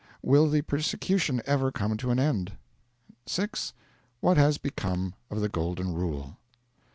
Will the persecution ever come to an end? 6. What has become of the Golden Rule?